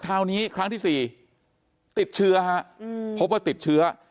คราวนี้ครั้งที่๔ติดเชื้อฮะพบว่าติดเชื้อ